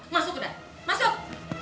masuk udah masuk